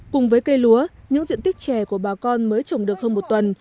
cùng với cây lúa những diện tích chè của bà con mới trồng được hơn một tuần